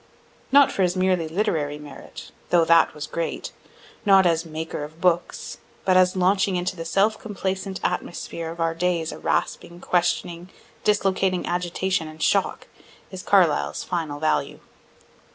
Not for his merely literary merit, (though that was great) not as "maker of books," but as launching into the self complacent atmosphere of our days a rasping, questioning, dislocating agitation and shock, is Carlyle's final value.